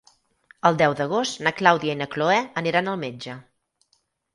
El deu d'agost na Clàudia i na Cloè aniran al metge.